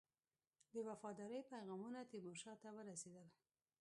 د وفاداری پیغامونه تیمورشاه ته ورسېدل.